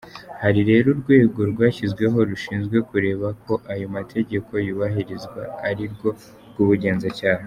Hari rero urwego rwashyizweho rushinzwe kureba ko ayo mategeko yubahirizwa arirwo rw’ubugenzacyaha.